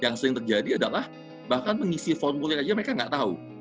yang sering terjadi adalah bahkan mengisi formulir aja mereka nggak tahu